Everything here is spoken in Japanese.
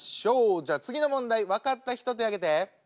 じゃあ次の問題分かった人手挙げて。